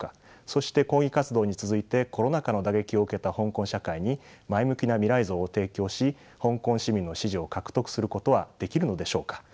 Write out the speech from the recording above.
そして抗議活動に続いてコロナ禍の打撃を受けた香港社会に前向きな未来像を提供し香港市民の支持を獲得することはできるのでしょうか。